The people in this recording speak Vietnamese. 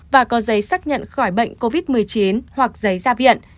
và có giấy xác nhận khỏi bệnh covid một mươi chín hoặc giấy ra viện